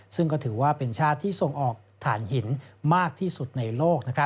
ซึ่งก็ถือว่าเป็นชาติที่ส่งออกฐานหินมากที่สุดในโลก